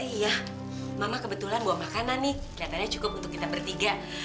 iya mama kebetulan bawa makanan nih kelihatannya cukup untuk kita bertiga